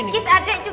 kis adek juga